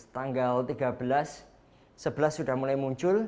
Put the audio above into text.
tanggal tiga belas november itu sudah mulai muncul